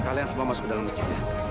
kalian semua masuk ke dalam masjid